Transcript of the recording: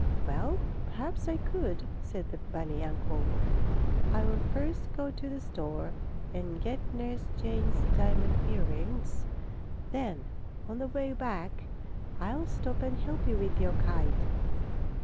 "Well, perhaps I could," said the bunny uncle. "I will first go to the store and get Nurse Jane's diamond earrings. Then, on the way back, I'll stop and help you with your kite.